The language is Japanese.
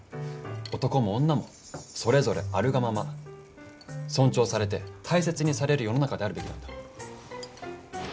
男も女もそれぞれあるがまま尊重されて大切にされる世の中であるべきなんだ。